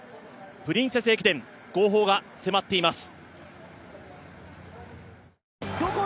プリンセス駅伝、号砲が迫っています。